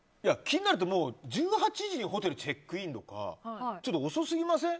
気になるって１８時にホテルチェックインとか遅すぎません？